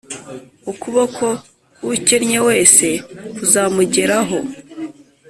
ukuboko k’ukennye wese kuzamugeraho